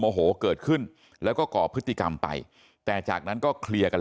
โหเกิดขึ้นแล้วก็ก่อพฤติกรรมไปแต่จากนั้นก็เคลียร์กัน